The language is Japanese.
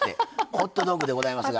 ホットドッグでございますが。